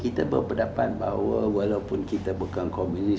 kita berpendapat bahwa walaupun kita bukan komunis